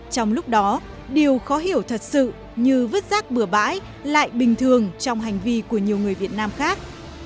trong lúc đó điều khó hiểu thật sự như vứt rác bừa bãi lại bình thường trong hành vi của nhiều người việt nam khác